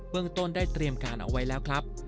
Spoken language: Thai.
เมืองต้นได้เตรียมการเอาไว้แล้วครับ